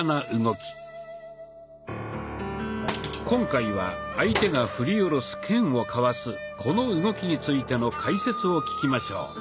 今回は相手が振り下ろす剣をかわすこの動きについての解説を聞きましょう。